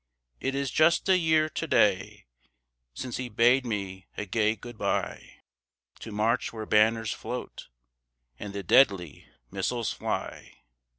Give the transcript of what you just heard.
It is just a year to day Since he bade me a gay good by, To march where banners float, And the deadly missiles fly.